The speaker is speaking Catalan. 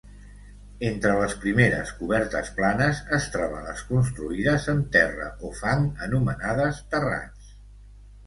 Entre les primeres cobertes planes es troben les construïdes amb terra o fang, anomenades terrats.